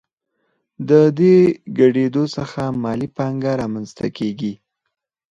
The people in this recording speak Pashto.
د دې ګډېدو څخه مالي پانګه رامنځته کېږي